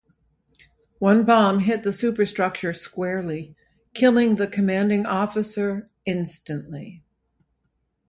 One bomb hit the superstructure squarely, killing the commanding officer instantly.